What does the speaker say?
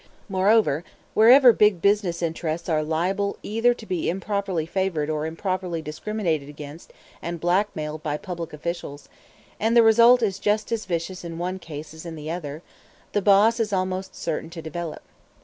Moreover, wherever big business interests are liable either to be improperly favored or improperly discriminated against and blackmailed by public officials and the result is just as vicious in one case as in the other the boss is almost certain to develop.